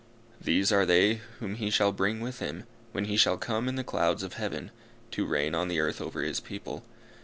These are they whom he shall bring with him, when he shall come in the clouds of heaven, to reign on the earth over his people.